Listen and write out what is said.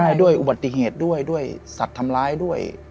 ใช่ด้วยอุบัติเหตุด้วยด้วยสัตว์ทำร้ายด้วย